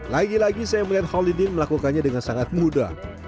lagi lagi saya melihat halidin melakukannya dengan sangat mudah